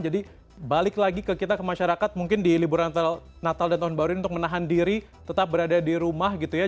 jadi balik lagi ke kita ke masyarakat mungkin di liburan natal dan tahun baru ini untuk menahan diri tetap berada di rumah gitu ya